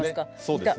いた。